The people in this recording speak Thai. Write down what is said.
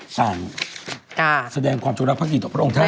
สั่งแสดงความชุดรักษ์ภาคหิตของพระองค์ไทย